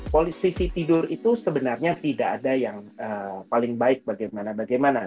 posisi tidur itu sebenarnya tidak ada yang paling baik bagaimana bagaimana